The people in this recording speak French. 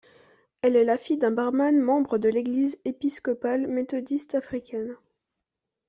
Elle est la fille d'un barman membre de l'Église épiscopale méthodiste africaine.